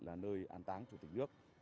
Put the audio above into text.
là nơi an táng chủ tịch nước